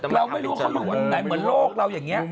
เราไม่รู้ข้างหลังวันไหนเหมือนโลกเราอย่างเงี้ย